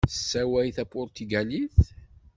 Tessawal tapuṛtugalit.